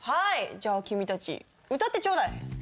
じゃあ君たち歌ってちょうだい。